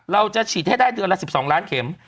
เราจะฉีดให้ได้เดือนละ๑๒ล้านเข็ม